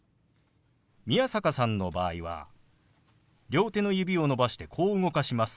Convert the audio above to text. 宮坂さんの場合は両手の指を伸ばしてこう動かします。